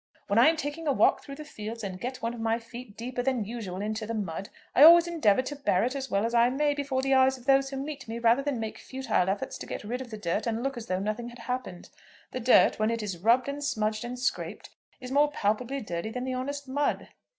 When I am taking a walk through the fields and get one of my feet deeper than usual into the mud, I always endeavour to bear it as well as I may before the eyes of those who meet me rather than make futile efforts to get rid of the dirt and look as though nothing had happened. The dirt, when it is rubbed and smudged and scraped is more palpably dirt than the honest mud."